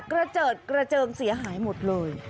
เจิดกระเจิงเสียหายหมดเลย